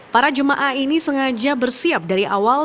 para jemaah ini sengaja bersiap dari awal